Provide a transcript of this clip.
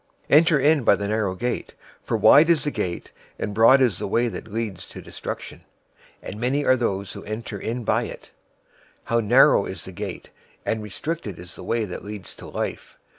007:013 "Enter in by the narrow gate; for wide is the gate and broad is the way that leads to destruction, and many are those who enter in by it. 007:014 How{TR reads "Because" instead of "How"} narrow is the gate, and restricted is the way that leads to life!